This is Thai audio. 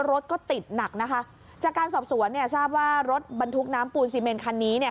รถก็ติดหนักนะคะจากการสอบสวนเนี่ยทราบว่ารถบรรทุกน้ำปูนซีเมนคันนี้เนี่ย